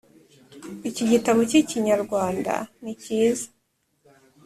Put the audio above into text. Iki gitabo k’Ikinyarwanda nikiza